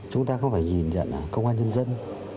chúng ta không phải nhìn nhận công an nhân dân